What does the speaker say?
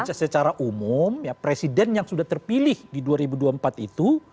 nah secara umum presiden yang sudah terpilih di dua ribu dua puluh empat itu